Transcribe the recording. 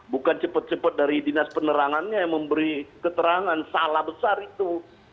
bukan cepat cepat dari dinas penerangannya yang memberi keterangan salah besar itu